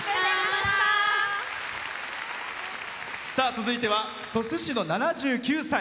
続いては鳥栖市の７９歳。